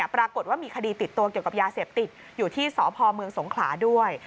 ปรากฏว่ามีคดีติดตัวเกี่ยวกับยาเสพติดอยู่ที่สพเมืองสงขลาด้วย